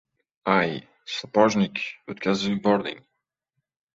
— Ay, sapojnik, o‘tkazib yubording!